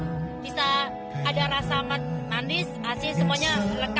bisa ada rasa manis asin semuanya rekap ya